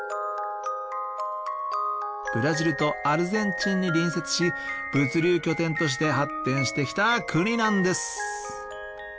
ブラジルとアルゼンチンに隣接し物流拠点として発展してきた国なんです。